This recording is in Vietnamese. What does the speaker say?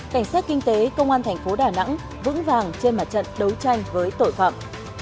cảnh sát kinh tế công an thành phố đà nẵng vững vàng trên mặt trận đấu tranh với tội phạm